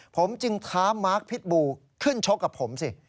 ผมจึงท้ามาร์คพิษบูขึ้นชกกับผมสิ